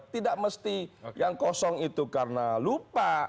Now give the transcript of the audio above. tidak mesti yang kosong itu karena lupa